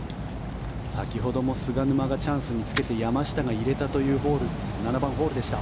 先ほども菅沼がチャンスにつけて山下が入れたという７番ホールでした。